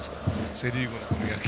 セ・リーグの野球。